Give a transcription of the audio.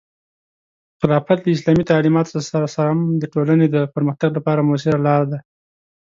خلافت د اسلامي تعلیماتو سره سم د ټولنې د پرمختګ لپاره مؤثره لاره ده.